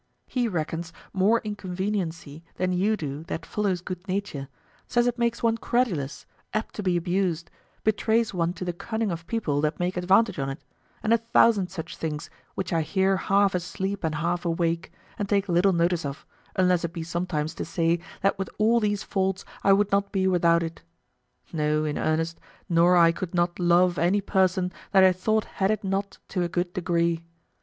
He reckons more inconveniency than you do that follows good nature, says it makes one credulous, apt to be abused, betrays one to the cunning of people that make advantage on't, and a thousand such things which I hear half asleep and half awake, and take little notice of, unless it be sometimes to say that with all these faults I would not be without it. No, in earnest, nor I could not love any person that I thought had it not to a good degree.